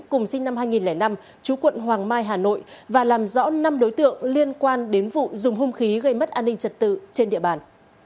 cùng sinh năm hai nghìn năm chú quận hoàng mai hà nội và làm rõ năm đối tượng liên quan đến vụ dùng hung khí gây mất an ninh trật tự trên địa bàn